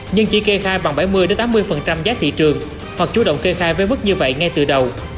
nhưng chỉ kê khai bằng bảy mươi tám mươi giá thị trường hoặc chú động kê khai với mức như vậy ngay từ đầu